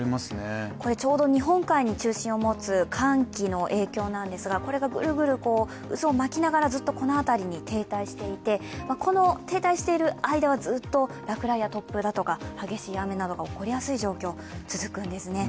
これちょうど日本海に中心を持つ寒気の影響なんですけどこれがグルグル渦を巻きながら、ずっとこの辺りに停滞していて、この停滞している間はずっと落雷や突風など、激しい雨などが起こりやすい状況、続くんですね。